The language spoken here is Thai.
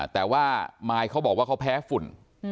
แต่ว่าไมค์เค้าบอกว่าเค้าแพ้ฝุ่น